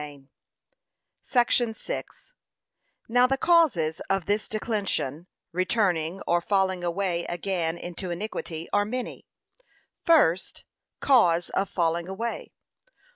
(Matt 12:44,45) Now the causes of this declension, returning, or falling away again into iniquity, are many. First [Cause of falling away.